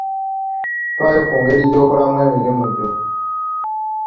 Ffaayo ku ngeri gy'okolamu emirimu gyo.